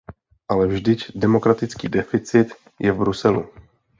Ale vždyť demokratický deficit je v Bruselu.